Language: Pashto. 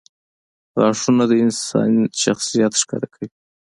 • غاښونه د انسان شخصیت ښکاره کوي.